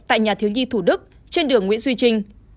tại nhà thiếu nhi thủ đức trên đường nguyễn duy trinh